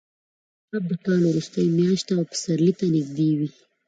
کب د کال وروستۍ میاشت ده او پسرلي ته نږدې وي.